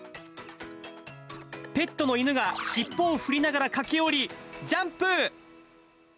ペットの犬が尻尾を振りながら駆け寄り、ジャンプ。